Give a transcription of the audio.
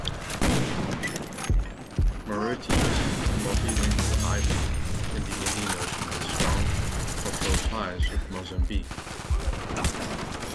Mauritius, a multilingual island in the Indian Ocean, has strong cultural ties with Mozambique.